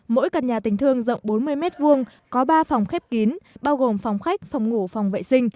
mỗi căn nhà tình thương rộng bốn mươi m hai có ba phòng khép kín bao gồm phòng khách phòng ngủ phòng vệ sinh